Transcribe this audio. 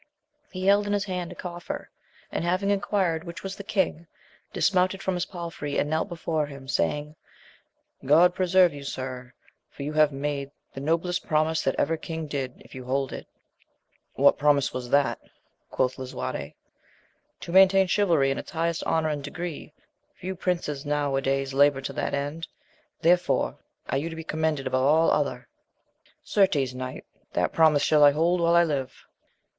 He held in his hand a coffer, and having enquired which was the king, dismounted from his palfrey and knelt befare him, saying, God preserve you, sir ! for you have made the noblest promise that ever king did, if you hold it. What promise was that 1 quoth Lisuarte — To main tain chivalry in its highest honour and degree : few princes now a days labour to that end, therefore are you to be commended above all other. — Certes, knight, that promise shall I hold while I live.